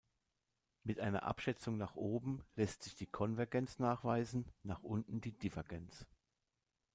Mit einer Abschätzung nach oben lässt sich die Konvergenz nachweisen, nach unten die Divergenz.